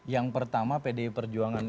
yang pertama pdi perjuangan